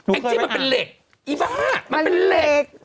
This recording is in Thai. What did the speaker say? งจี้มันเป็นเหล็กอีบ้ามันเป็นเหล็ก